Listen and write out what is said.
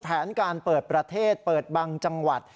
แผนการเปิดประเทศเปิดบางจังหวัด